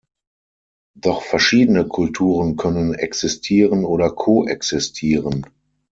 Doch verschiedene Kulturen können existieren oder koexistieren.